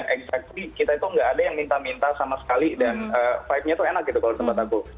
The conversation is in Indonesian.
exactly kita itu nggak ada yang minta minta sama sekali dan vibe nya tuh enak gitu kalau di tempat aku